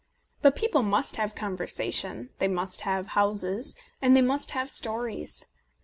But people must have conversa tion, they must have houses, and they must have stories.